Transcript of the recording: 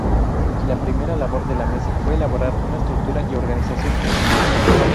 La primera labor de la mesa fue elaborar una estructura y organización funcional.